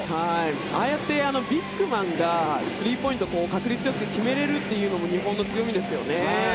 ああやってビッグマンがスリーポイントを確率よく決められるのも日本の強みですよね。